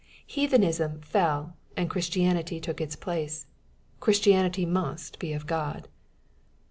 Heathenism fell, and Christianity took its place. Christianity must be of God.